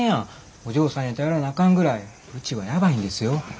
お嬢さんに頼らなあかんぐらいうちはやばいんですよ。